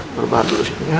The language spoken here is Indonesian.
berbahas dulu sini ya